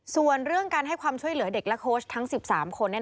ส่วนเรื่องการให้ความช่วยเหลือเด็กและโค้ชทั้ง๑๓คน